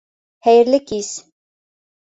Хәйереле кис.